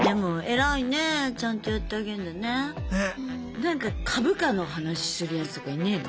なんか株価の話するやつとかいねえの？